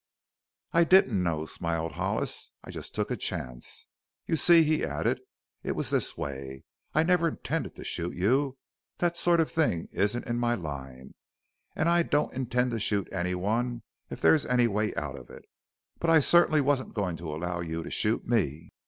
"I didn't know," smiled Hollis. "I just took a chance. You see," he added, "it was this way. I never intended to shoot you. That sort of thing isn't in my line and I don't intend to shoot anyone if there is any way out of it. But I certainly wasn't going to allow you to shoot me."